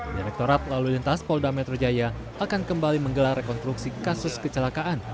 direktorat lalu lintas polda metro jaya akan kembali menggelar rekonstruksi kasus kecelakaan